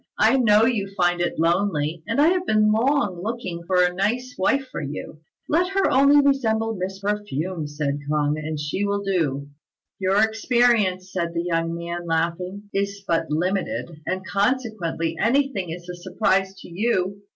I know you find it lonely, and I have long been looking out for a nice wife for you." "Let her only resemble Miss Perfume," said K'ung, "and she will do." "Your experience," said the young man, laughing, "is but limited, and, consequently, anything is a surprise to you.